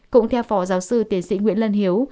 cũng theo phó giáo sư tiến sĩ nguyễn lân hiếu